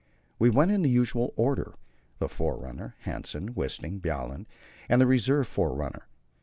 We went in the usual order the forerunner, Hanssen, Wisting, Bjaaland, and the reserve forerunner.